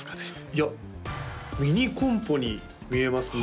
いやミニコンポに見えますね